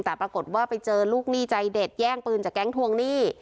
แต่ปรากฏว่าไปเจอลูกหนี้ใจเด็ดแย่งปืนจากแก๊งทวงหนี้